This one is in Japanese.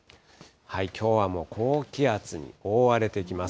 きょうはもう高気圧に覆われていきます。